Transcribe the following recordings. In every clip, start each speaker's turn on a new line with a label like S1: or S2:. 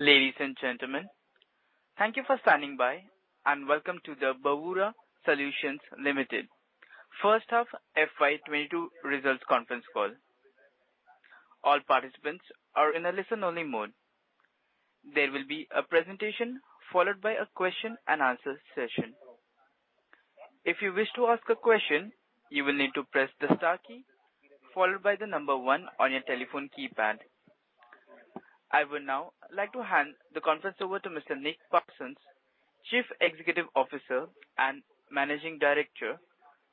S1: Ladies and gentlemen, thank you for standing by, and welcome to the Bravura Solutions Limited first half FY 2022 results conference call. All participants are in a listen-only mode. There will be a presentation followed by a question-and-answer session. If you wish to ask a question, you will need to press the star key followed by the number one on your telephone keypad. I would now like to hand the conference over to Mr. Nick Parsons, Chief Executive Officer and Managing Director.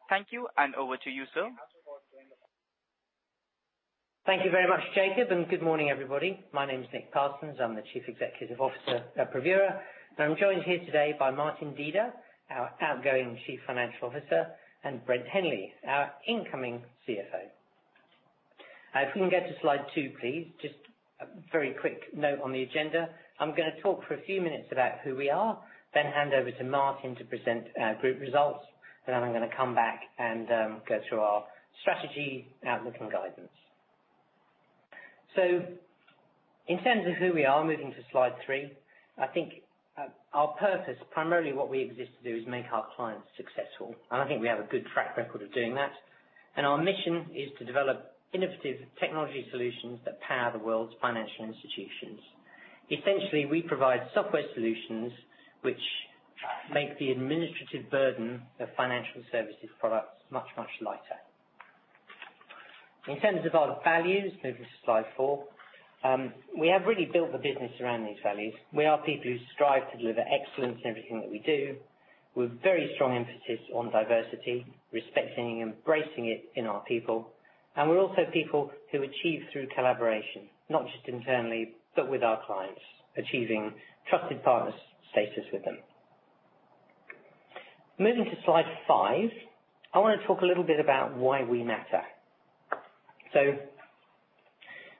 S1: Thank you, and over to you, sir.
S2: Thank you very much, Jacob, and good morning, everybody. My name is Nick Parsons. I'm the Chief Executive Officer at Bravura, and I'm joined here today by Martin Deda, our outgoing Chief Financial Officer, and Brent Henley, our incoming CFO. If we can get to slide two, please. Just a very quick note on the agenda. I'm gonna talk for a few minutes about who we are, then hand over to Martin to present our group results. Then I'm gonna come back and go through our strategy, outlook, and guidance. In terms of who we are, moving to slide three, I think our purpose, primarily what we exist to do, is make our clients successful. I think we have a good track record of doing that. Our mission is to develop innovative technology solutions that power the world's financial institutions. Essentially, we provide software solutions which make the administrative burden of financial services products much, much lighter. In terms of our values, moving to slide four, we have really built the business around these values. We are people who strive to deliver excellence in everything that we do, with very strong emphasis on diversity, respecting and embracing it in our people. We're also people who achieve through collaboration, not just internally, but with our clients, achieving trusted partner status with them. Moving to slide five, I wanna talk a little bit about why we matter.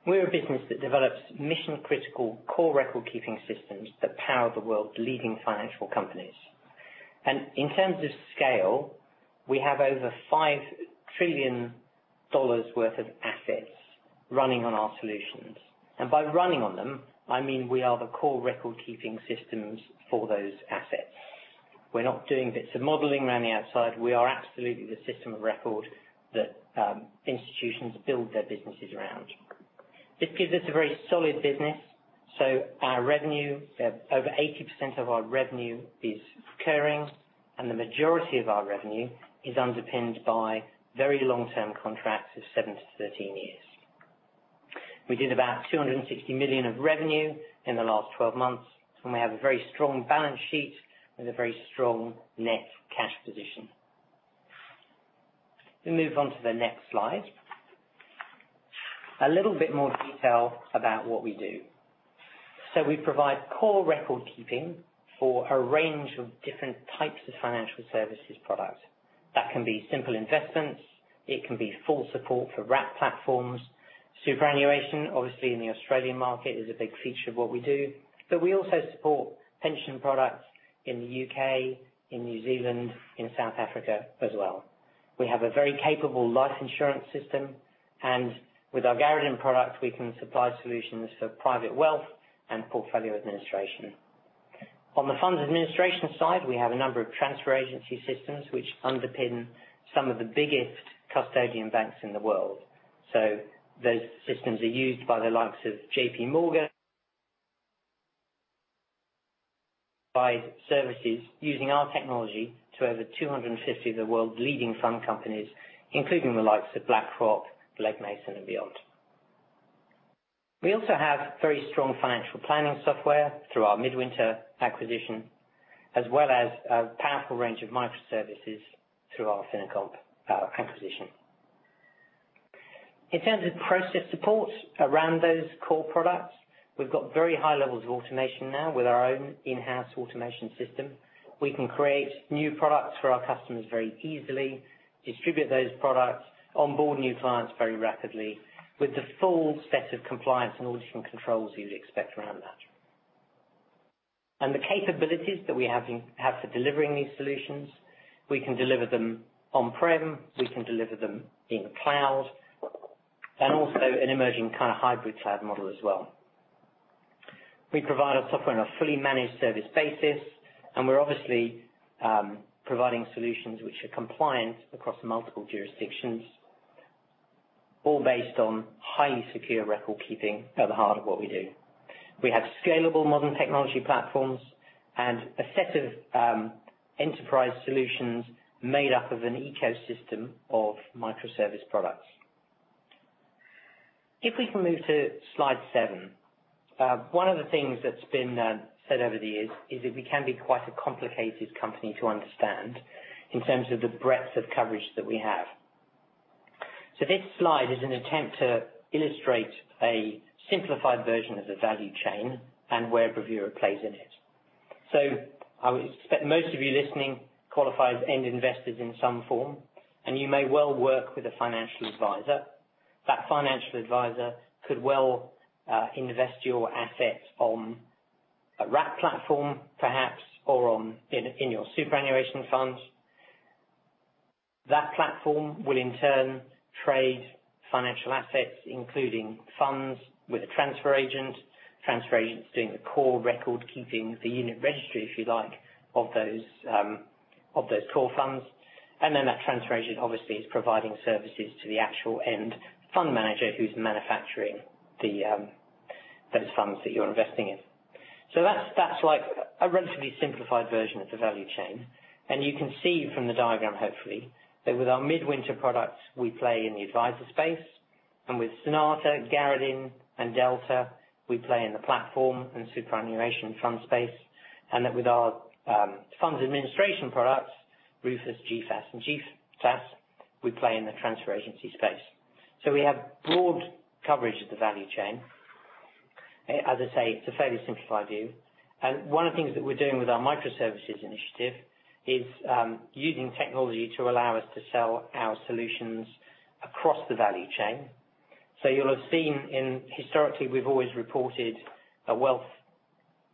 S2: We're a business that develops mission-critical, core recordkeeping systems that power the world's leading financial companies. In terms of scale, we have over $5 trillion worth of assets running on our solutions. By running on them, I mean, we are the core recordkeeping systems for those assets. We're not doing bits of modeling around the outside. We are absolutely the system of record that institutions build their businesses around. This gives us a very solid business. Our revenue, over 80% of our revenue is recurring, and the majority of our revenue is underpinned by very long-term contracts of 7-13 years. We did about 260 million of revenue in the last 12 months, and we have a very strong balance sheet with a very strong net cash position. We move on to the next slide. A little bit more detail about what we do. We provide core recordkeeping for a range of different types of financial services products. That can be simple investments. It can be full support for wrap platforms. Superannuation, obviously in the Australian market, is a big feature of what we do. We also support pension products in the U.K., in New Zealand, in South Africa as well. We have a very capable life insurance system, and with our Garradin product, we can supply solutions for private wealth and portfolio administration. On the funds administration side, we have a number of transfer agency systems which underpin some of the biggest custodian banks in the world. Those systems are used by the likes of JPMorgan. We provide services using our technology to over 250 of the world's leading fund companies, including the likes of BlackRock, Legg Mason, and beyond. We also have very strong financial planning software through our Midwinter acquisition, as well as a powerful range of microservices through our FinoComp acquisition. In terms of process support around those core products, we've got very high levels of automation now with our own in-house automation system. We can create new products for our customers very easily, distribute those products, onboard new clients very rapidly with the full set of compliance and all different controls you'd expect around that. The capabilities that we have for delivering these solutions, we can deliver them on-prem, we can deliver them in cloud, and also an emerging kind of hybrid cloud model as well. We provide our software on a fully managed service basis, and we're obviously providing solutions which are compliant across multiple jurisdictions, all based on highly secure recordkeeping at the heart of what we do. We have scalable modern technology platforms and a set of enterprise solutions made up of an ecosystem of microservice products. If we can move to slide seven. One of the things that's been said over the years is that we can be quite a complicated company to understand in terms of the breadth of coverage that we have. This slide is an attempt to illustrate a simplified version of the value chain and where Bravura plays in it. I would expect most of you listening qualify as end investors in some form, and you may well work with a financial advisor. That financial advisor could well invest your assets on a wrap platform perhaps, or in your superannuation funds. That platform will in turn trade financial assets, including funds with a transfer agent, transfer agents doing the core recordkeeping, the unit registry, if you like, of those core funds. That transfer agent obviously is providing services to the actual end fund manager who's manufacturing the, those funds that you're investing in. That's, that's like a relatively simplified version of the value chain. You can see from the diagram, hopefully, that with our Midwinter products, we play in the advisor space, and with Sonata, Garradin, and Delta, we play in the platform and superannuation fund space. That with our, funds administration products, Rufus, GFAS, and GTAS, we play in the transfer agency space. We have broad coverage of the value chain. As I say, it's a fairly simplified view. One of the things that we're doing with our microservices initiative is, using technology to allow us to sell our solutions across the value chain. You'll have seen in... Historically, we've always reported a wealth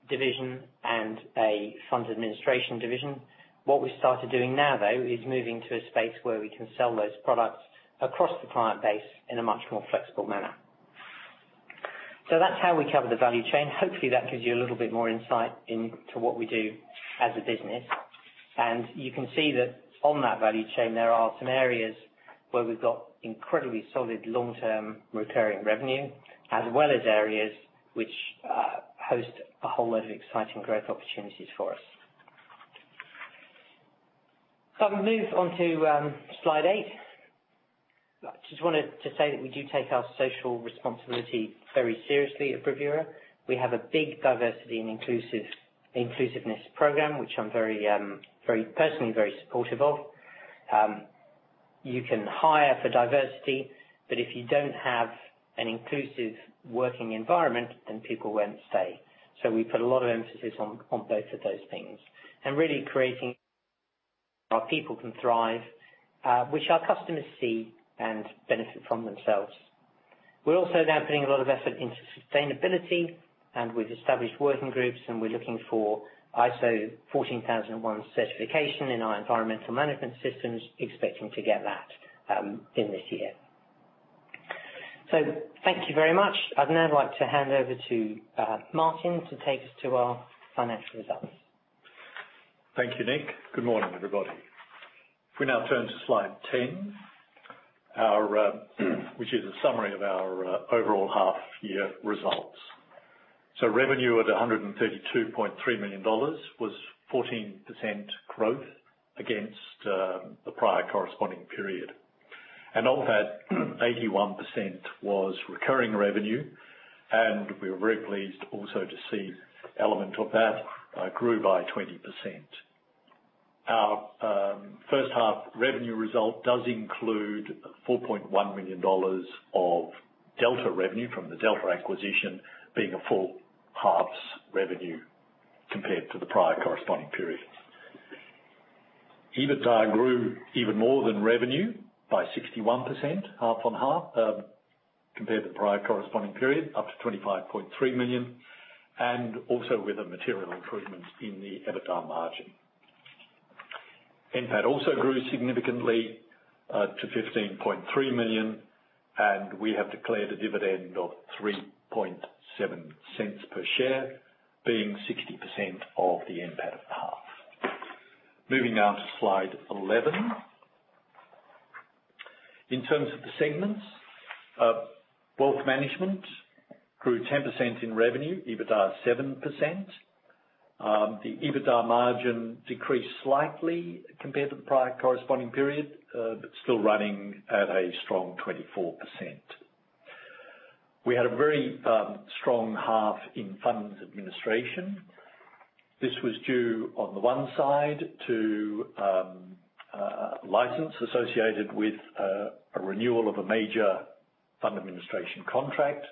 S2: division and a fund administration division. What we started doing now, though, is moving to a space where we can sell those products across the client base in a much more flexible manner. That's how we cover the value chain. Hopefully, that gives you a little bit more insight into what we do as a business. You can see that on that value chain, there are some areas where we've got incredibly solid long-term recurring revenue, as well as areas which host a whole load of exciting growth opportunities for us. I'm gonna move on to slide eight. I just wanted to say that we do take our social responsibility very seriously at Bravura. We have a big diversity and inclusiveness program, which I'm very personally supportive of. You can hire for diversity, but if you don't have an inclusive working environment, then people won't stay. We put a lot of emphasis on both of those things and really creating our people can thrive, which our customers see and benefit from themselves. We're also now putting a lot of effort into sustainability, and we've established working groups, and we're looking for ISO 14001 certification in our environmental management systems, expecting to get that in this year. Thank you very much. I'd now like to hand over to Martin to take us to our financial results.
S3: Thank you, Nick. Good morning, everybody. If we now turn to slide 10, our which is a summary of our overall half year results. Revenue at 132.3 million dollars was 14% growth against the prior corresponding period. Of that, 81% was recurring revenue, and we were very pleased also to see element of that grew by 20%. Our first half revenue result does include 4.1 million dollars of Delta revenue from the Delta acquisition, being a full half's revenue compared to the prior corresponding period. EBITDA grew even more than revenue by 61%, half on half, compared to the prior corresponding period, up to 25.3 million, and also with a material improvement in the EBITDA margin. NPAT also grew significantly to 15.3 million, and we have declared a dividend of 0.037 per share, being 60% of the NPAT half. Moving now to slide 11. In terms of the segments, wealth management grew 10% in revenue, EBITDA 7%. The EBITDA margin decreased slightly compared to the prior corresponding period, but still running at a strong 24%. We had a very strong half in funds administration. This was due, on the one side, to license associated with a renewal of a major fund administration contract,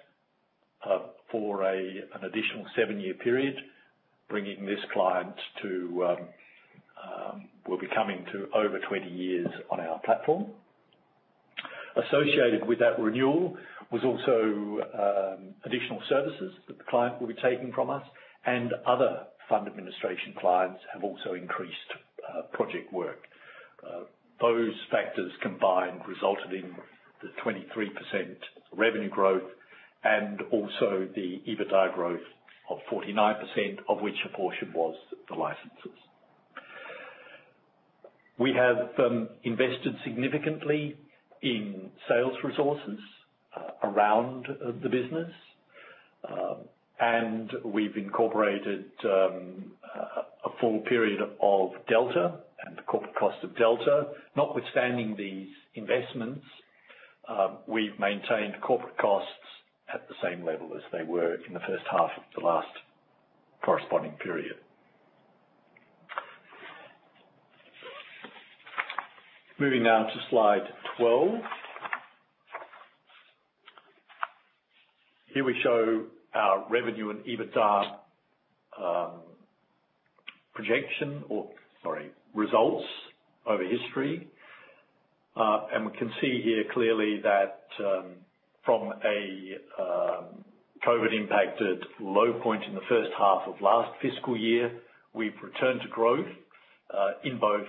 S3: for an additional seven-year period, bringing this client to will be coming to over 20 years on our platform. Associated with that renewal was also additional services that the client will be taking from us and other fund administration clients have also increased project work. Those factors combined resulted in the 23% revenue growth and also the EBITDA growth of 49%, of which a portion was the licenses. We have invested significantly in sales resources around the business, and we've incorporated a full period of Delta and the corporate cost of Delta. Notwithstanding these investments, we've maintained corporate costs at the same level as they were in the first half of the last corresponding period. Moving now to slide 12. Here we show our revenue and EBITDA results over history. We can see here clearly that from a COVID impacted low point in the first half of last fiscal year, we've returned to growth in both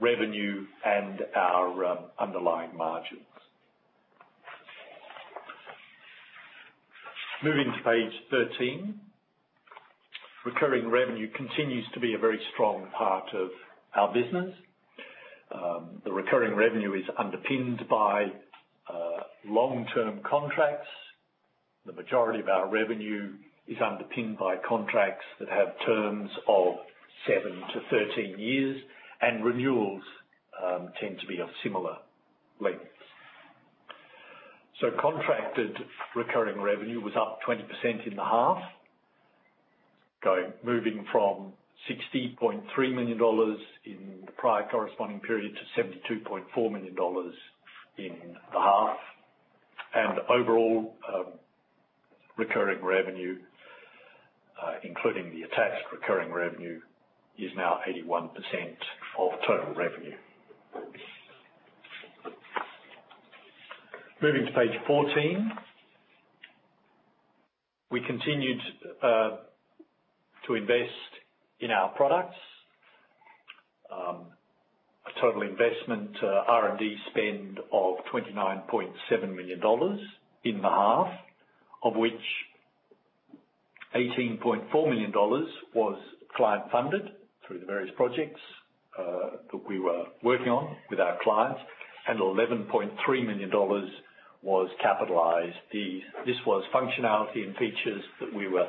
S3: revenue and our underlying margins. Moving to page 13. Recurring revenue continues to be a very strong part of our business. The recurring revenue is underpinned by long-term contracts. The majority of our revenue is underpinned by contracts that have terms of 7-13 years, and renewals tend to be of similar lengths. Contracted recurring revenue was up 20% in the half, moving from 60.3 million dollars in the prior corresponding period to 72.4 million dollars in the half. Overall, recurring revenue, including the attached recurring revenue, is now 81% of total revenue. Moving to page 14. We continued to invest in our products. A total investment, R&D spend of 29.7 million dollars in the half, of which 18.4 million dollars was client funded through the various projects that we were working on with our clients, and 11.3 million dollars was capitalized. This was functionality and features that we were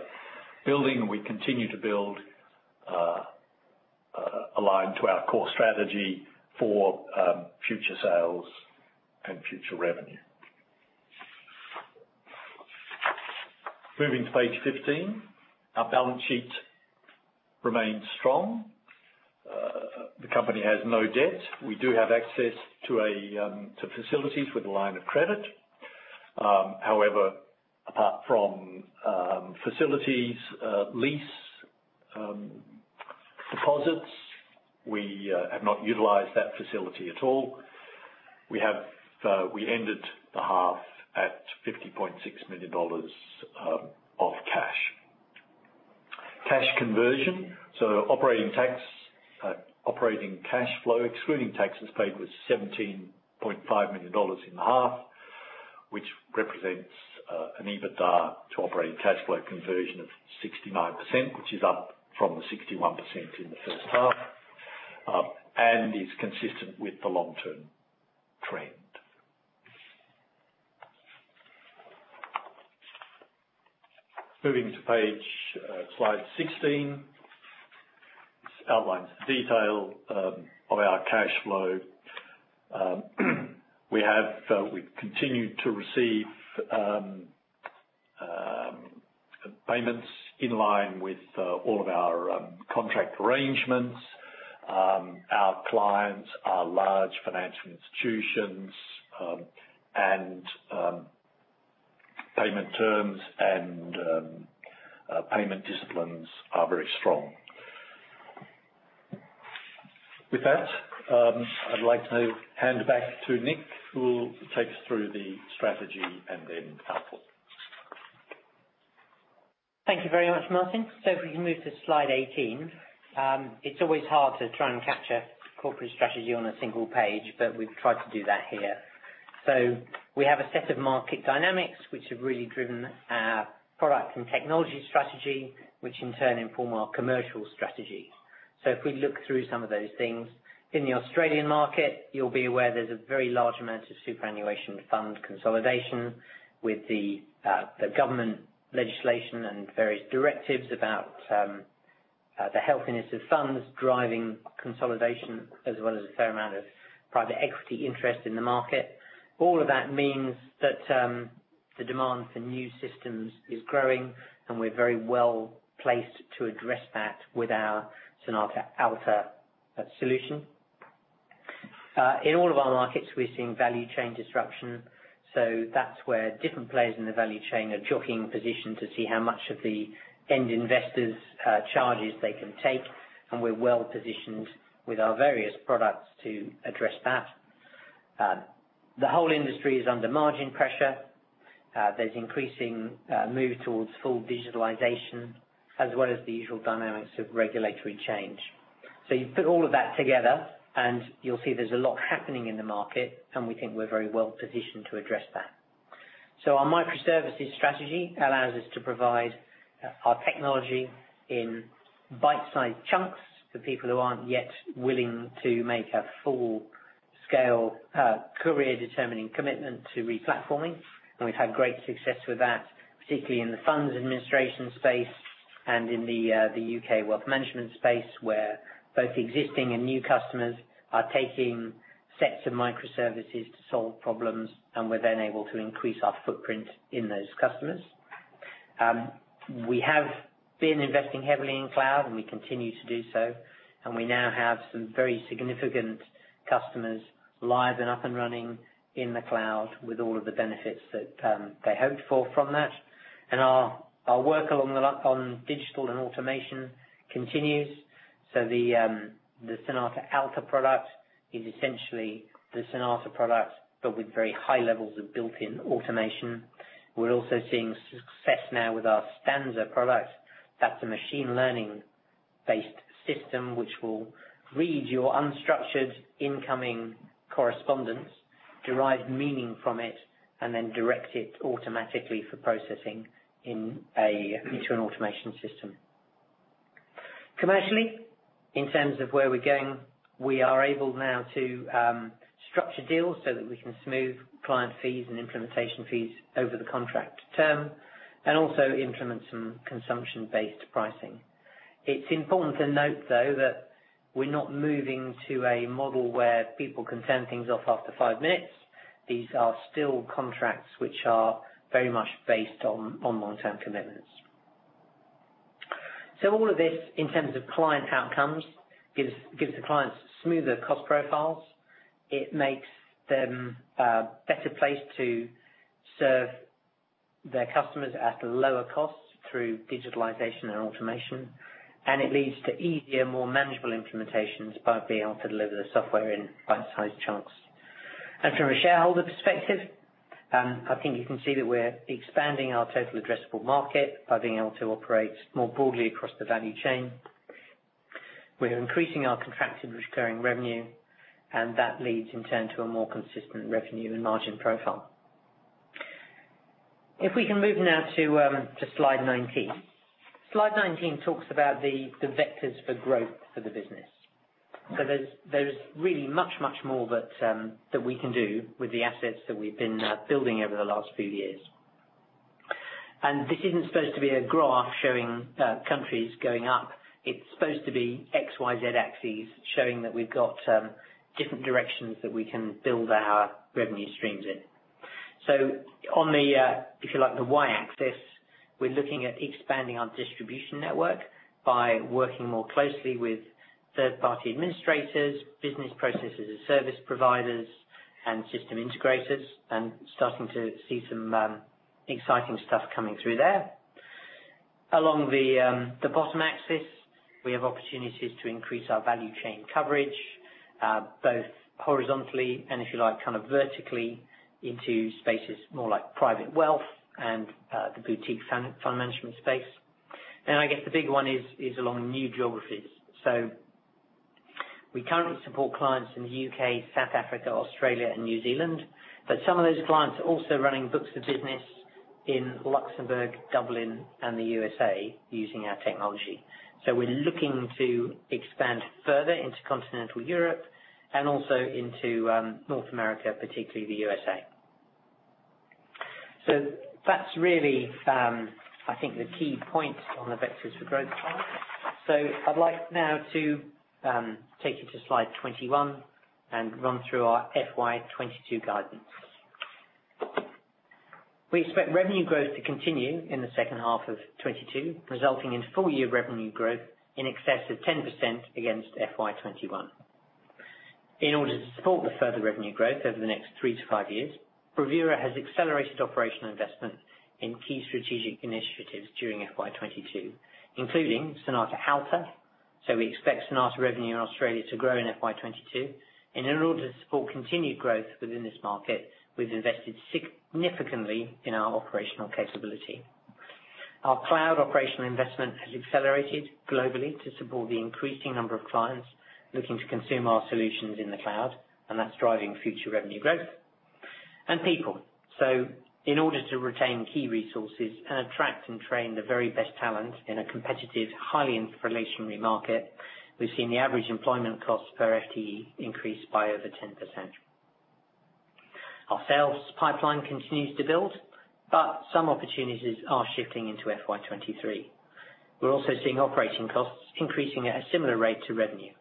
S3: building, and we continue to build, aligned to our core strategy for future sales and future revenue. Moving to page 15. Our balance sheet remains strong. The company has no debt. We do have access to facilities with a line of credit. However, apart from facilities, lease deposits, we have not utilized that facility at all. We ended the half at 50.6 million dollars of cash. Cash conversion. Operating cash flow, excluding taxes paid, was 17.5 million dollars in the half, which represents an EBITDA to operating cash flow conversion of 69%, which is up from the 61% in the first half, and is consistent with the long-term trend. Moving to slide 16. This outlines the detail of our cash flow. We've continued to receive payments in line with all of our contract arrangements. Our clients are large financial institutions, and payment terms and payment disciplines are very strong. With that, I'd like to hand back to Nick, who will take us through the strategy and then outlook.
S2: Thank you very much, Martin. If we can move to slide 18. It's always hard to try and capture corporate strategy on a single page, but we've tried to do that here. We have a set of market dynamics which have really driven our product and technology strategy, which in turn inform our commercial strategy. If we look through some of those things, in the Australian market, you'll be aware there's a very large amount of superannuation fund consolidation with the government legislation and various directives about the healthiness of funds driving consolidation, as well as a fair amount of private equity interest in the market. All of that means that the demand for new systems is growing, and we're very well placed to address that with our Sonata Alta solution. In all of our markets, we're seeing value chain disruption. That's where different players in the value chain are jockeying for position to see how much of the end investors' charges they can take, and we're well positioned with our various products to address that. The whole industry is under margin pressure. There's an increasing move towards full digitalization, as well as the usual dynamics of regulatory change. You put all of that together, and you'll see there's a lot happening in the market, and we think we're very well positioned to address that. Our microservices strategy allows us to provide our technology in bite-size chunks for people who aren't yet willing to make a full-scale career-determining commitment to replatforming. We've had great success with that, particularly in the funds administration space and in the U.K. wealth management space, where both existing and new customers are taking sets of microservices. To solve problems, and we're then able to increase our footprint in those customers. We have been investing heavily in cloud, and we continue to do so, and we now have some very significant customers live and up and running in the cloud with all of the benefits that they hoped for from that. Our work along the line, on digital and automation continues. The Sonata Alta product is essentially the Sonata product, but with very high levels of built-in automation. We're also seeing success now with our Stanza product. That's a machine learning-based system which will read your unstructured incoming correspondence, derive meaning from it, and then direct it automatically for processing into an automation system. Commercially, in terms of where we're going, we are able now to structure deals so that we can smooth client fees and implementation fees over the contract term and also implement some consumption-based pricing. It's important to note, though, that we're not moving to a model where people can turn things off after five minutes. These are still contracts which are very much based on long-term commitments. All of this, in terms of client outcomes, gives the clients smoother cost profiles. It makes them better placed to serve their customers at lower costs through digitalization and automation. It leads to easier, more manageable implementations by being able to deliver the software in bite-sized chunks. From a shareholder perspective, I think you can see that we're expanding our total addressable market by being able to operate more broadly across the value chain. We're increasing our contracted recurring revenue, and that leads, in turn, to a more consistent revenue and margin profile. If we can move now to slide 19. Slide 19 talks about the vectors for growth for the business. There's really much more that we can do with the assets that we've been building over the last few years. This isn't supposed to be a graph showing countries going up. It's supposed to be XYZ axes showing that we've got different directions that we can build our revenue streams in. On the, if you like, the y-axis, we're looking at expanding our distribution network by working more closely with third-party administrators, business processes and service providers, and system integrators, and starting to see some exciting stuff coming through there. Along the bottom axis, we have opportunities to increase our value chain coverage both horizontally and, if you like, kind of vertically into spaces more like private wealth and the boutique fund management space. I guess the big one is along new geographies. We currently support clients in the U.K., South Africa, Australia, and New Zealand, but some of those clients are also running books for business in Luxembourg, Dublin, and the U.S.A. using our technology. We're looking to expand further into continental Europe and also into North America, particularly the U.S.A. That's really, I think the key point on the vectors for growth part. I'd like now to take you to slide 21 and run through our FY 2022 guidance. We expect revenue growth to continue in the second half of 2022, resulting in full-year revenue growth in excess of 10% against FY 2021. In order to support the further revenue growth over the next three to five years, Bravura has accelerated operational investment in key strategic initiatives during FY 2022, including Sonata Alta. We expect Sonata revenue in Australia to grow in FY 2022. In order to support continued growth within this market, we've invested significantly in our operational capability. Our cloud operational investment has accelerated globally to support the increasing number of clients looking to consume our solutions in the cloud, and that's driving future revenue growth. People. In order to retain key resources and attract and train the very best talent in a competitive, highly inflationary market, we've seen the average employment cost per FTE increase by over 10%. Our sales pipeline continues to build, but some opportunities are shifting into FY 2023. We're also seeing operating costs increasing at a similar rate to revenue.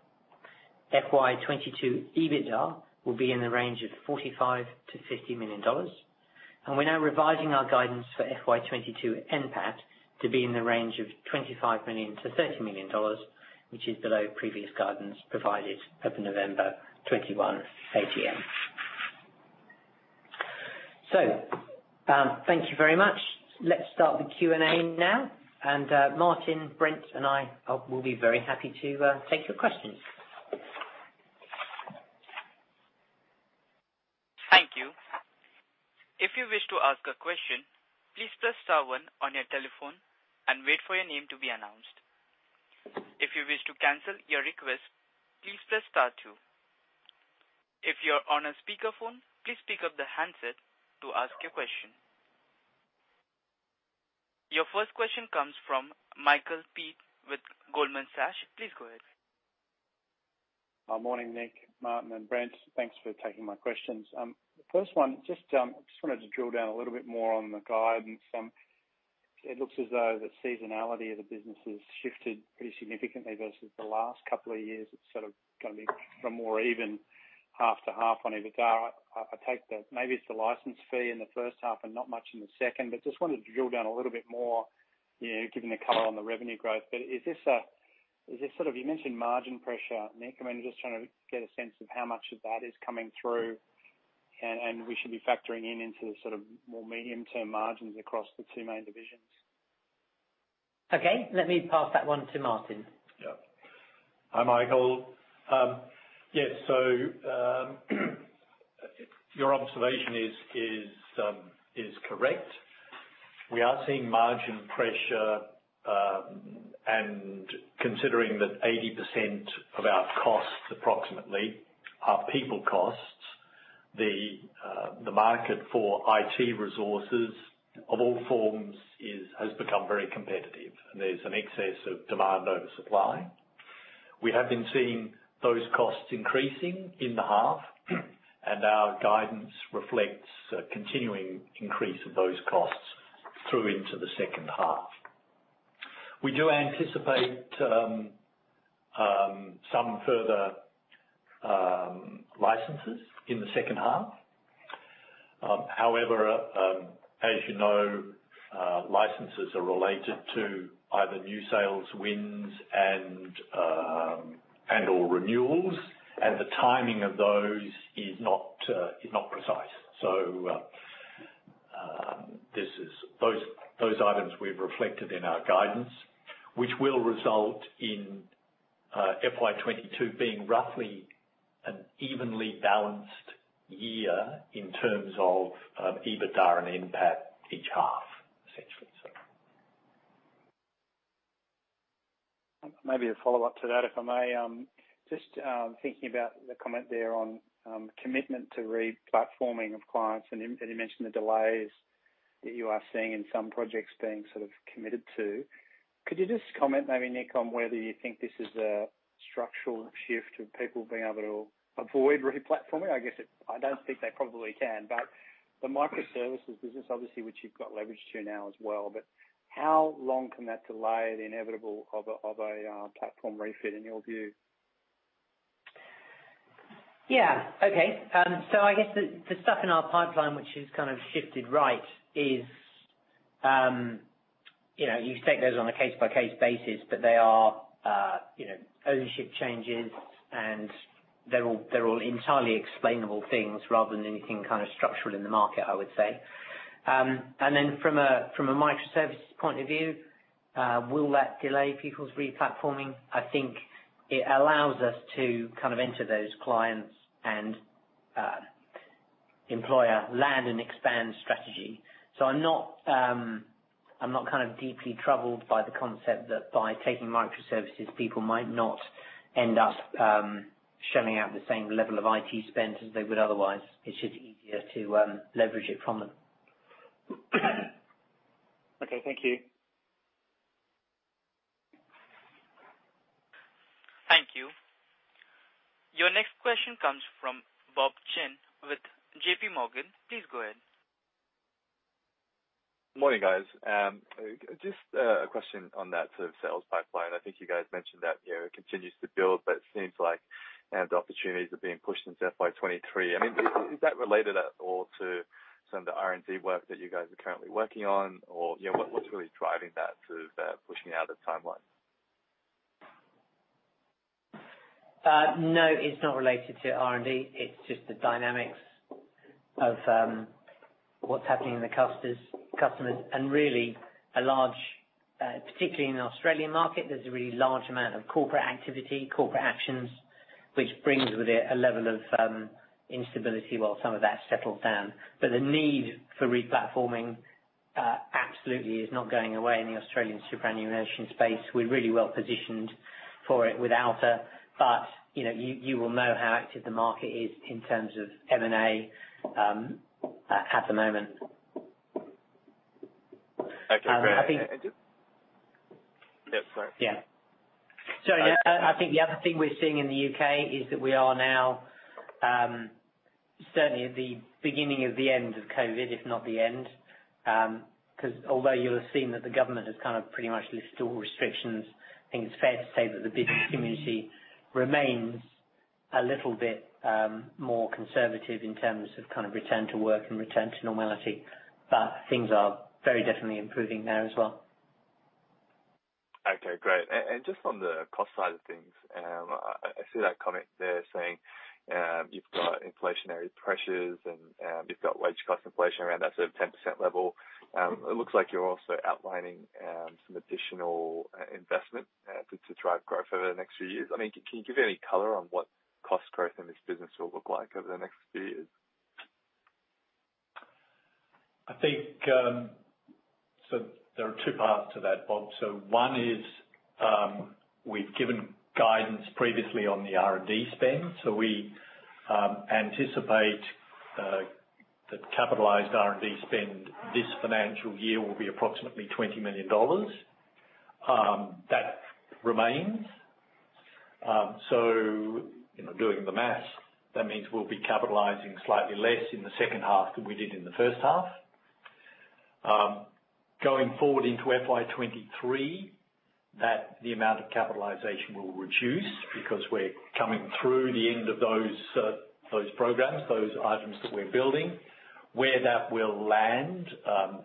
S2: FY 2022 EBITDA will be in the range of 45 million-50 million dollars, and we're now revising our guidance for FY 2022 NPAT to be in the range of 25 million-30 million dollars, which is below previous guidance provided at the November 2021 AGM. Thank you very much. Let's start the Q&A now. Martin, Brent, and I will be very happy to take your questions.
S1: Thank you. If you wish to ask a question, please press star one on your telephone and wait for your name to be announced. If you wish to cancel your request, please press star two. If you're on a speakerphone, please pick up the handset to ask your question. Your first question comes from Michael Peet with Goldman Sachs. Please go ahead.
S4: Good morning, Nick, Martin, and Brent. Thanks for taking my questions. The first one, just, I just wanted to drill down a little bit more on the guidance. It looks as though the seasonality of the business has shifted pretty significantly versus the last couple of years. It's sort of gonna be from more even half to half on EBITDA. I take that maybe it's the license fee in the first half and not much in the second, but just wanted to drill down a little bit more, you know, given the color on the revenue growth. Is this sort of... You mentioned margin pressure, Nick. I'm just trying to get a sense of how much of that is coming through. We should be factoring in into the sort of more medium term margins across the two main divisions.
S2: Okay. Let me pass that one to Martin.
S4: Yeah.
S3: Hi, Michael. Yes. Your observation is correct. We are seeing margin pressure. Considering that 80% of our costs approximately are people costs, the market for IT resources of all forms has become very competitive, and there's an excess of demand over supply. We have been seeing those costs increasing in the half, and our guidance reflects a continuing increase of those costs through into the second half. We do anticipate some further licenses in the second half. However, as you know, licenses are related to either new sales wins and/or renewals, and the timing of those is not precise. Those items we've reflected in our guidance, which will result in FY 2022 being roughly an evenly balanced year in terms of EBITDA and NPAT each half, essentially.
S4: Maybe a follow-up to that, if I may. Just thinking about the comment there on commitment to re-platforming of clients, and you mentioned the delays that you are seeing in some projects being sort of committed to. Could you just comment maybe, Nick, on whether you think this is a structural shift of people being able to avoid re-platforming? I guess it. I don't think they probably can, but the microservices business, obviously, which you've got leverage to now as well, but how long can that delay the inevitable of a platform refit, in your view?
S2: Yeah. Okay. I guess the stuff in our pipeline, which has kind of shifted right is, you know, you take those on a case-by-case basis, but they are, you know, ownership changes, and they're all entirely explainable things rather than anything kind of structural in the market, I would say. And then from a microservices point of view, will that delay people's re-platforming? I think it allows us to kind of enter those clients and employ a land and expand strategy. I'm not kind of deeply troubled by the concept that by taking microservices, people might not end up shelling out the same level of IT spend as they would otherwise. It's just easier to leverage it from them.
S4: Okay. Thank you.
S1: Thank you. Your next question comes from Bob Chen with JPMorgan. Please go ahead.
S5: Morning, guys. Just a question on that sort of sales pipeline. I think you guys mentioned that, you know, it continues to build, but it seems like, you know, the opportunities are being pushed into FY 2023. I mean, is that related at all to some of the R&D work that you guys are currently working on or, you know, what's really driving that to the pushing out of the timeline?
S2: No, it's not related to R&D. It's just the dynamics of what's happening in the customers. Really a large, particularly in the Australian market, there's a really large amount of corporate activity, corporate actions, which brings with it a level of instability while some of that settles down. The need for re-platforming absolutely is not going away in the Australian superannuation space. We're really well-positioned for it with Alta. You know, you will know how active the market is in terms of M&A at the moment.
S5: Okay. Great.
S2: I think.
S5: Yep. Sorry.
S2: Yeah. Sorry. I think the other thing we're seeing in the U.K. is that we are now certainly at the beginning of the end of COVID, if not the end. 'Cause although you'll have seen that the government has kind of pretty much lifted all restrictions, I think it's fair to say that the business community remains a little bit more conservative in terms of kind of return to work and return to normality. Things are very definitely improving there as well.
S5: Okay, great. Just on the cost side of things, I see that comment there saying you've got inflationary pressures and you've got wage cost inflation around that sort of 10% level. It looks like you're also outlining some additional investment to drive growth over the next few years. I mean, can you give any color on what cost growth in this business will look like over the next few years?
S3: I think, so there are two parts to that, Bob. One is, we've given guidance previously on the R&D spend. We anticipate the capitalized R&D spend this financial year will be approximately 20 million dollars. That remains. You know, doing the math, that means we'll be capitalizing slightly less in the second half than we did in the first half. Going forward into FY 2023, that the amount of capitalization will reduce because we're coming through the end of those programs, those items that we're building. Where that will land,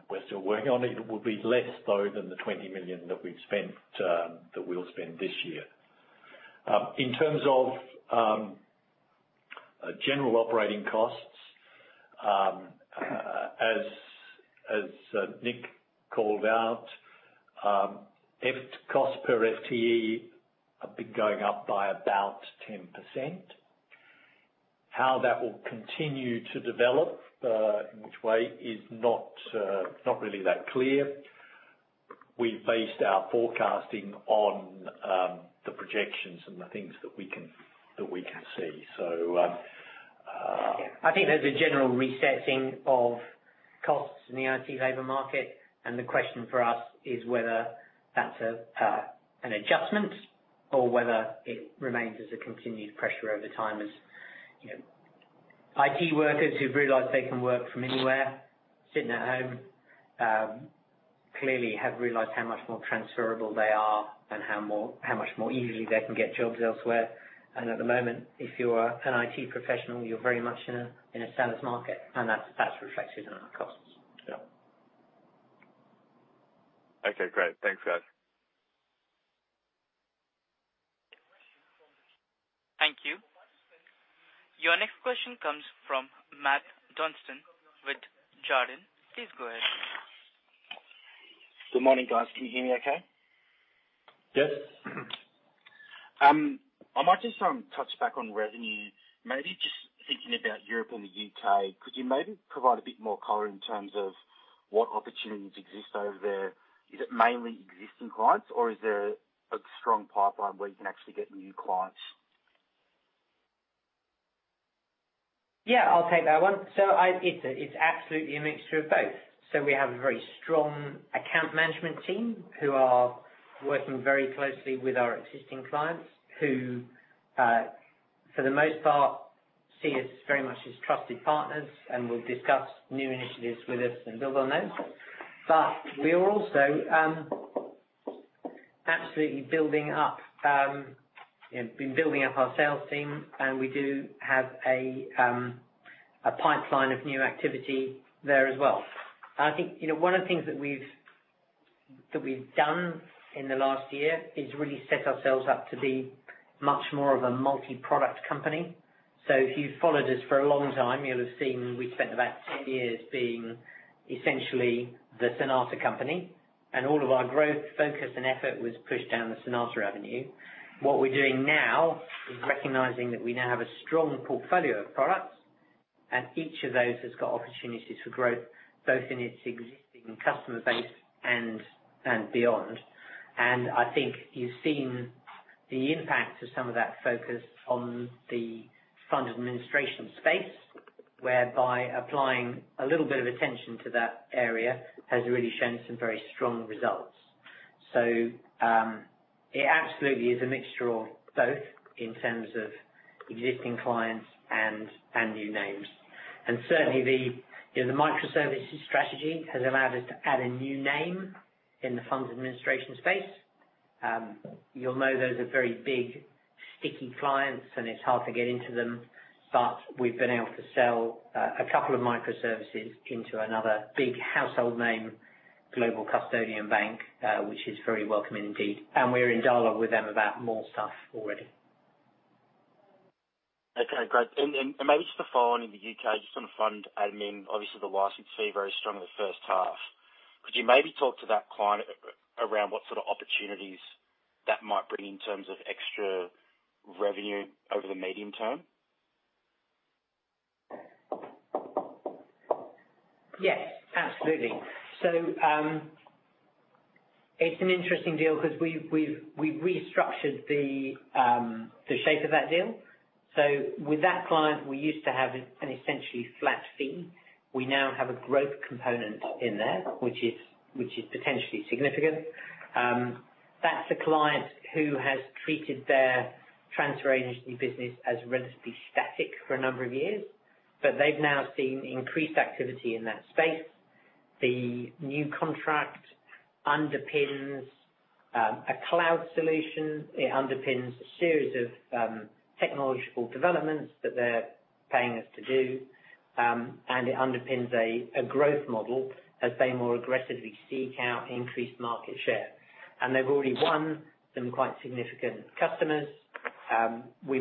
S3: we're still working on it. It will be less, though, than the 20 million that we've spent, that we'll spend this year. In terms of general operating costs, as Nick called out, cost per FTE have been going up by about 10%. How that will continue to develop in which way is not really that clear. We based our forecasting on the projections and the things that we can see.
S2: I think there's a general resetting of costs in the IT labor market, and the question for us is whether that's an adjustment or whether it remains as a continued pressure over time as you know, IT workers who've realized they can work from anywhere, sitting at home, clearly have realized how much more transferable they are and how much more easily they can get jobs elsewhere. At the moment, if you're an IT professional, you're very much in a seller's market, and that's reflected in our costs.
S5: Okay, great. Thanks, guys.
S1: Thank you. Your next question comes from Matt Johnston with Jarden. Please go ahead.
S6: Good morning, guys. Can you hear me okay?
S3: Yes.
S6: I might just touch back on revenue, maybe just thinking about Europe and the U.K. Could you maybe provide a bit more color in terms of what opportunities exist over there? Is it mainly existing clients, or is there a strong pipeline where you can actually get new clients?
S2: I'll take that one. It's absolutely a mixture of both. We have a very strong account management team who are working very closely with our existing clients, who, for the most part see us very much as trusted partners and will discuss new initiatives with us and build on those. We are also absolutely, you know, been building up our sales team, and we do have a pipeline of new activity there as well. I think, you know, one of the things that we've done in the last year is really set ourselves up to be much more of a multi-product company. If you followed us for a long time, you'll have seen we spent about 10 years being essentially the Sonata company, and all of our growth, focus, and effort was pushed down the Sonata avenue. What we're doing now is recognizing that we now have a strong portfolio of products and each of those has got opportunities for growth, both in its existing customer base and beyond. I think you've seen the impact of some of that focus on the fund administration space, whereby applying a little bit of attention to that area has really shown some very strong results. It absolutely is a mixture of both in terms of existing clients and new names. And certainly the, you know, the microservices strategy has allowed us to add a new name in the funds administration space. You'll know those are very big, sticky clients, and it's hard to get into them, but we've been able to sell a couple of microservices into another big household name, global custodian bank, which is very welcoming indeed. We're in dialogue with them about more stuff already.
S6: Okay, great. Maybe just to follow on in the U.K., just on fund admin, obviously the license fee very strong in the first half. Could you maybe talk to that client around what sort of opportunities that might bring in terms of extra revenue over the medium term?
S2: Yes, absolutely. It's an interesting deal because we've restructured the shape of that deal. With that client, we used to have an essentially flat fee. We now have a growth component in there, which is potentially significant. That's a client who has treated their transfer agency business as relatively static for a number of years, but they've now seen increased activity in that space. The new contract underpins a cloud solution. It underpins a series of technological developments that they're paying us to do. It underpins a growth model as they more aggressively seek out increased market share. They've already won some quite significant customers. We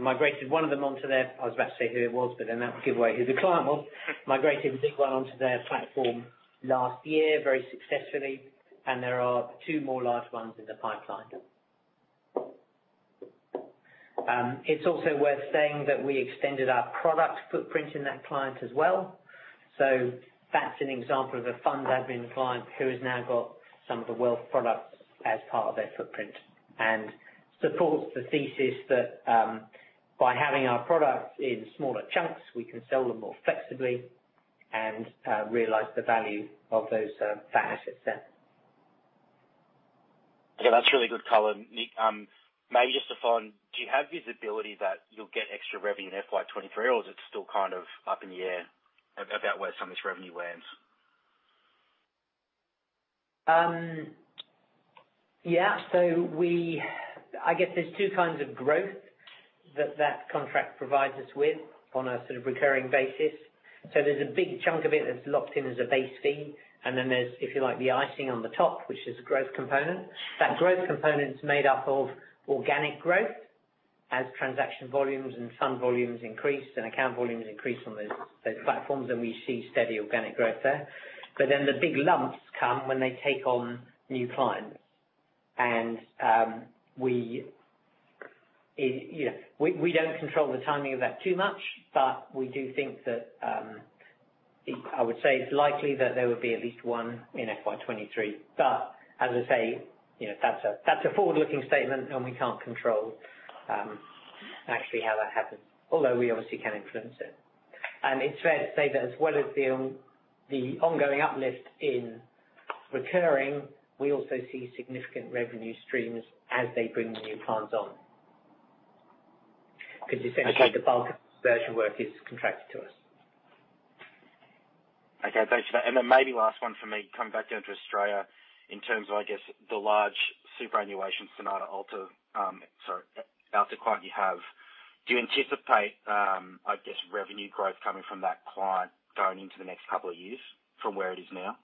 S2: migrated one of them onto their. I was about to say who it was, but then that would give away who the client was. Migrated a big one onto their platform last year very successfully. There are two more large ones in the pipeline. It's also worth saying that we extended our product footprint in that client as well. That's an example of a fund admin client who has now got some of the wealth products as part of their footprint and supports the thesis that, by having our products in smaller chunks, we can sell them more flexibly and realize the value of those, that asset set.
S6: Okay, that's really good color. Nick, maybe just to follow on, do you have visibility that you'll get extra revenue in FY 2023, or is it still kind of up in the air about where some of this revenue lands?
S2: Yeah. I guess there's two kinds of growth that contract provides us with on a sort of recurring basis. There's a big chunk of it that's locked in as a base fee. There's, if you like, the icing on the top, which is growth component. That growth component is made up of organic growth as transaction volumes and fund volumes increase and account volumes increase on those platforms, and we see steady organic growth there. The big lumps come when they take on new clients. You know, we don't control the timing of that too much, but we do think that I would say it's likely that there will be at least one in FY 2023. As I say, you know, that's a forward-looking statement and we can't control, actually how that happens, although we obviously can influence it. It's fair to say that as well as the ongoing uplift in recurring, we also see significant revenue streams as they bring new clients on. 'Cause essentially-
S6: Okay.
S2: The bulk of the conversion work is contracted to us.
S6: Okay. Thanks for that. Then maybe last one for me. Coming back down to Australia, in terms of, I guess, the large superannuation Sonata Alta client you have. Do you anticipate, I guess, revenue growth coming from that client going into the next couple of years from where it is now?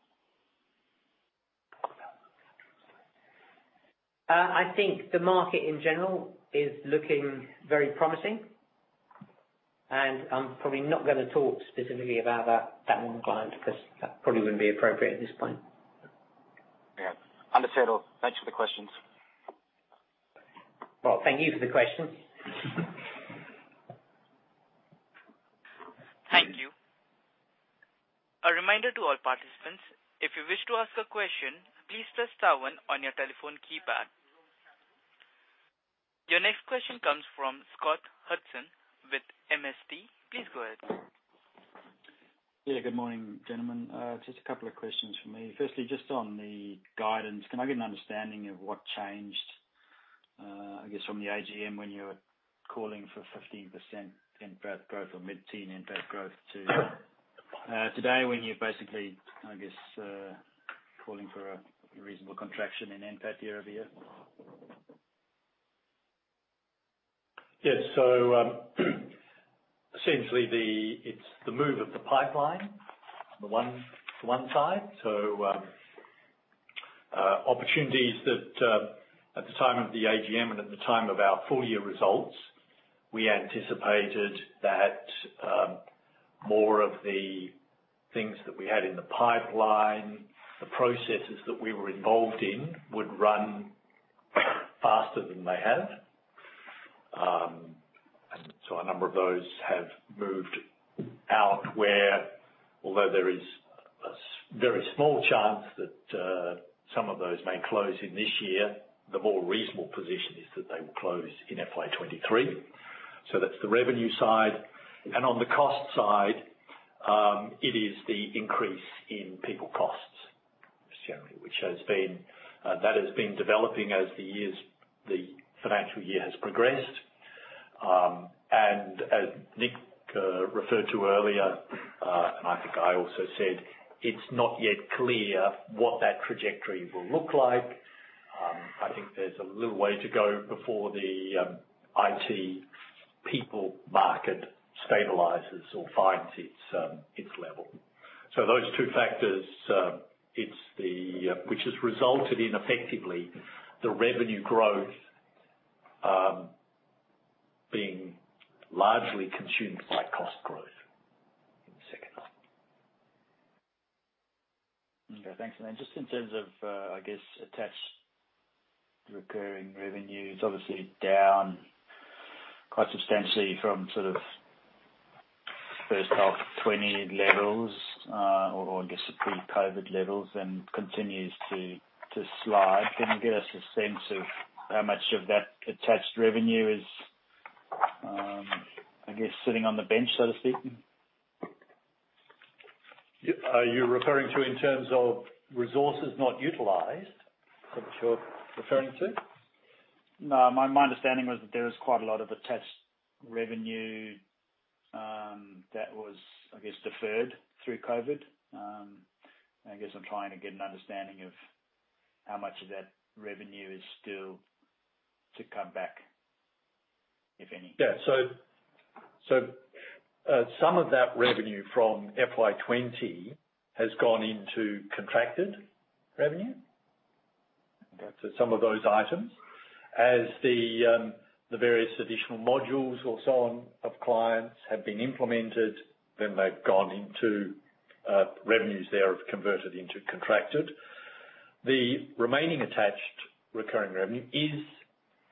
S2: I think the market in general is looking very promising, and I'm probably not gonna talk specifically about that one client because that probably wouldn't be appropriate at this point.
S6: Yeah. Understood. Thanks for the questions.
S2: Well, thank you for the question.
S1: Thank you. A reminder to all participants, if you wish to ask a question, please press star one on your telephone keypad. Your next question comes from Scott Hudson with MST. Please go ahead.
S7: Yeah, good morning, gentlemen. Just a couple of questions from me. Firstly, just on the guidance, can I get an understanding of what changed, I guess from the AGM when you were calling for 15% NPAT growth or mid-teen NPAT growth to, today when you're basically, I guess, calling for a reasonable contraction in NPAT year-over-year?
S3: Yes. Essentially, it's the move of the pipeline, the one to one side. Opportunities that at the time of the AGM and at the time of our full year results, we anticipated that more of the things that we had in the pipeline, the processes that we were involved in would run faster than they have. A number of those have moved out where although there is a very small chance that some of those may close in this year, the more reasonable position is that they will close in FY 2023. That's the revenue side. On the cost side, it is the increase in people costs generally, which has been developing as the financial year has progressed. As Nick referred to earlier, and I think I also said, it's not yet clear what that trajectory will look like. I think there's a little way to go before the IT people market stabilizes or finds its level. Those two factors which has resulted in effectively the revenue growth being largely consumed by cost growth in the second half.
S7: Okay, thanks. Just in terms of, I guess attached recurring revenues, obviously down quite substantially from sort of first half 2020 levels, or I guess the pre-COVID levels and continues to slide. Can you give us a sense of how much of that attached revenue is, I guess, sitting on the bench, so to speak?
S3: Are you referring to in terms of resources not utilized, is what you're referring to?
S7: No, my understanding was that there is quite a lot of attached revenue that was, I guess, deferred through COVID. I guess I'm trying to get an understanding of how much of that revenue is still to come back, if any.
S3: Some of that revenue from FY 2020 has gone into contracted revenue.
S7: Okay.
S3: Some of those items. As the various additional modules or so on of clients have been implemented, then they've gone into revenues there have converted into contracted. The remaining attached recurring revenue is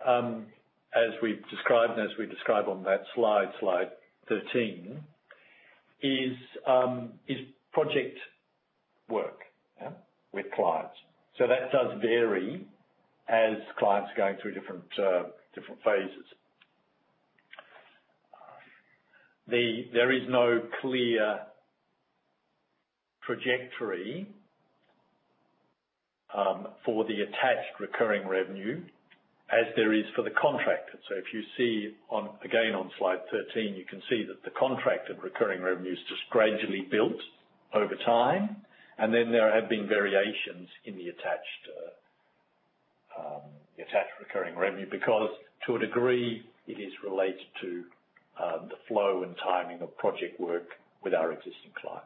S3: as we've described and as we describe on that slide 13, project work.
S7: Yeah.
S3: With clients. That does vary as clients are going through different phases. There is no clear trajectory for the attached recurring revenue as there is for the contracted. If you see, again, on slide 13, you can see that the contracted recurring revenue's just gradually built over time. Then there have been variations in the attached recurring revenue, because to a degree, it is related to the flow and timing of project work with our existing client.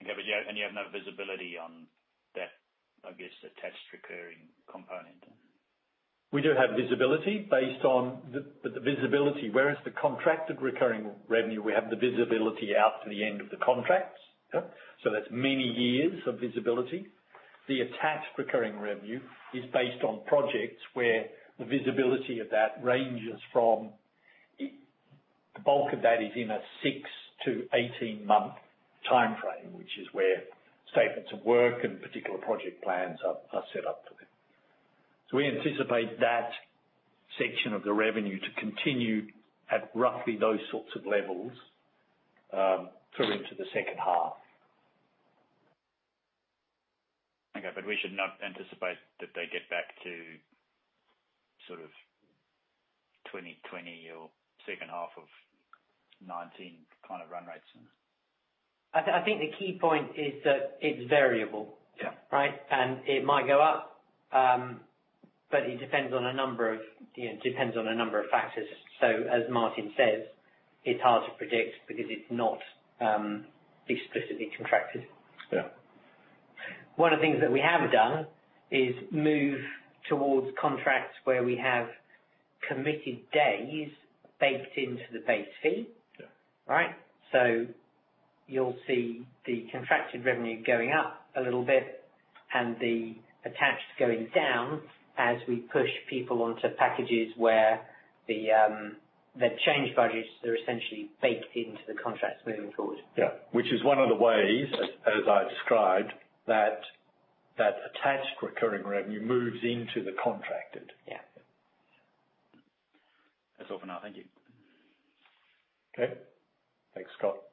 S7: Okay. You have no visibility on that, I guess, attached recurring component?
S3: We do have visibility based on the visibility. Whereas the contracted recurring revenue, we have the visibility out to the end of the contracts.
S7: Okay.
S3: That's many years of visibility. The attached recurring revenue is based on projects where the visibility of that ranges from. The bulk of that is in a 6-18-month timeframe, which is where statements of work and particular project plans are set up for them. We anticipate that section of the revenue to continue at roughly those sorts of levels through into the second half.
S7: Okay. We should not anticipate that they get back to sort of 2020 or second half of 2019 kind of run rates, then?
S2: I think the key point is that it's variable.
S7: Yeah.
S2: Right? It might go up, but it depends on a number of, you know, factors. As Martin says, it's hard to predict because it's not explicitly contracted.
S7: Yeah.
S2: One of the things that we have done is move towards contracts where we have committed days baked into the base fee.
S7: Yeah.
S2: Right? You'll see the contracted revenue going up a little bit and the attached going down as we push people onto packages where the change budgets are essentially baked into the contracts moving forward.
S3: Yeah. Which is one of the ways, as I described, that attached recurring revenue moves into the contracted.
S2: Yeah.
S7: That's all for now. Thank you.
S3: Okay. Thanks, Scott.
S1: Thank you.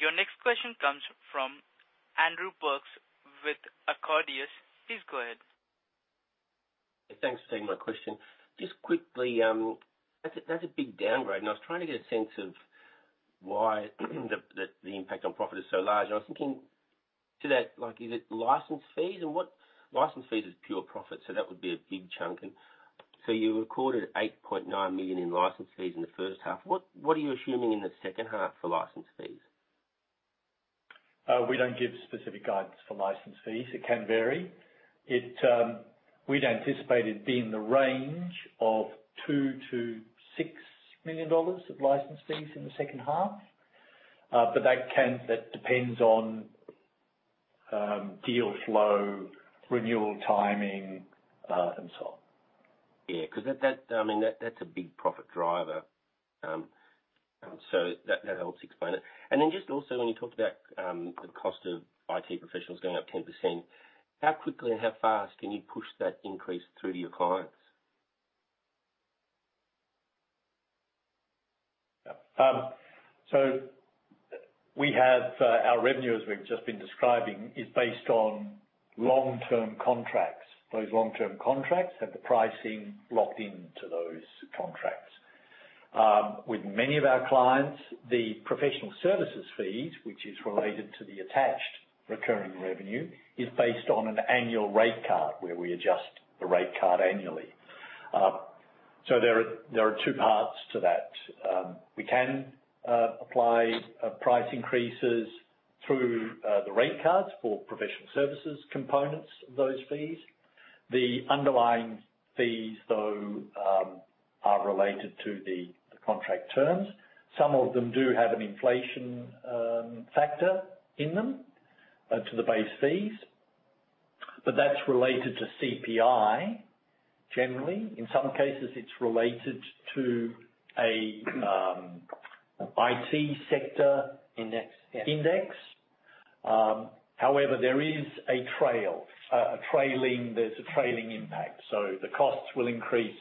S1: Your next question comes from Andrew Burks with Accordius. Please go ahead.
S8: Thanks for taking my question. Just quickly, that's a big downgrade, and I was trying to get a sense of why the impact on profit is so large. I was thinking about that, like, is it license fees? License fees is pure profit, so that would be a big chunk. You recorded 8.9 million in license fees in the first half. What are you assuming in the second half for license fees?
S3: We don't give specific guidance for license fees. It can vary. We'd anticipate it be in the range of 2 million-6 million dollars of license fees in the second half. That depends on deal flow, renewal timing, and so on.
S8: Yeah. 'Cause that, I mean, that's a big profit driver. So that helps explain it. Then just also, when you talked about the cost of IT professionals going up 10%, how quickly and how fast can you push that increase through to your clients?
S3: Yeah. We have our revenue, as we've just been describing, is based on long-term contracts. Those long-term contracts have the pricing locked into those contracts. With many of our clients, the professional services fees, which is related to the attached recurring revenue, is based on an annual rate card where we adjust the rate card annually. There are two parts to that. We can apply price increases through the rate cards for professional services components of those fees. The underlying fees, though, are related to the contract terms. Some of them do have an inflation factor in them to the base fees, but that's related to CPI generally. In some cases, it's related to a IT sector-
S2: Index. Yeah
S3: However, there is a trailing impact. The costs will increase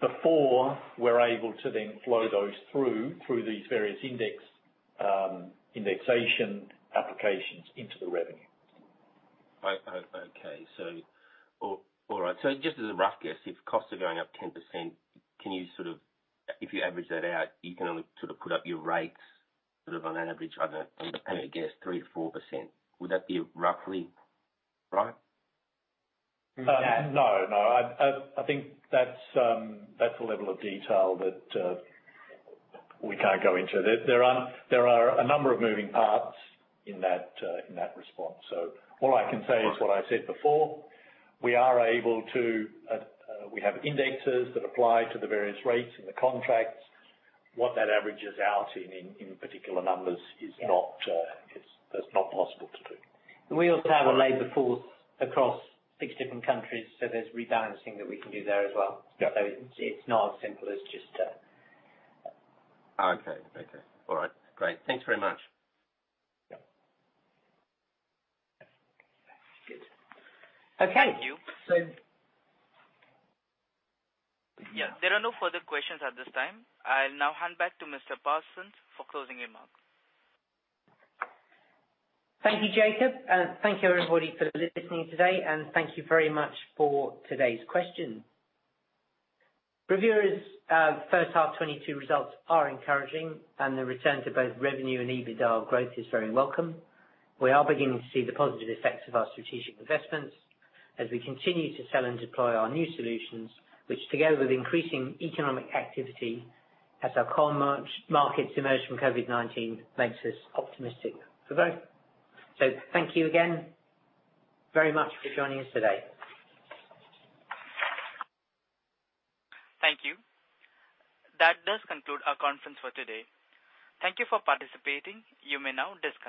S3: before we're able to then flow those through these various indexation applications into the revenue.
S8: Okay. All right. Just as a rough guess, if costs are going up 10%, can you sort of if you average that out, you can only sort of put up your rates sort of on average, I don't know, I'm making a guess, 3%-4%. Would that be roughly right?
S3: No. I think that's a level of detail that we can't go into. There are a number of moving parts in that response. All I can say is what I said before. We are able to, we have indexes that apply to the various rates in the contracts. What that averages out in particular numbers is not possible to do.
S2: We also have a labor force across six different countries, so there's rebalancing that we can do there as well.
S8: Yeah.
S2: It's not as simple as just,
S8: Oh, okay. Okay. All right. Great. Thanks very much.
S3: Yeah.
S2: Good. Okay.
S8: Thank you.
S1: Yeah. There are no further questions at this time. I'll now hand back to Mr. Parsons for closing remarks.
S2: Thank you, Jacob. Thank you, everybody, for listening today. Thank you very much for today's questions. Bravura's first half 2022 results are encouraging, and the return to both revenue and EBITDA growth is very welcome. We are beginning to see the positive effects of our strategic investments as we continue to sell and deploy our new solutions, which together with increasing economic activity as our core markets emerge from COVID-19, makes us optimistic for growth. Thank you again very much for joining us today.
S1: Thank you. That does conclude our conference for today. Thank you for participating. You may now disconnect.